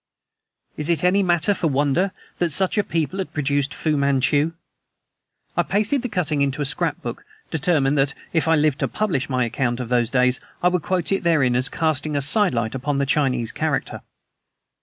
Is it any matter for wonder that such a people had produced a Fu Manchu? I pasted the cutting into a scrap book, determined that, if I lived to publish my account of those days, I would quote it therein as casting a sidelight upon Chinese character.